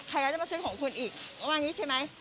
ใครจะมาซื้อของคุณอีกระหว่างนี้ใช่ไหม